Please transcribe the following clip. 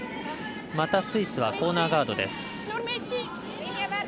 またスイスはコーナーガードです。